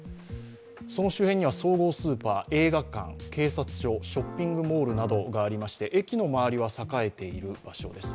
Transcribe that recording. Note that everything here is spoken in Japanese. その周辺には総合スーパー、映画館警察署、ショッピングモールなどがありまして、駅の周りは栄えている場所です。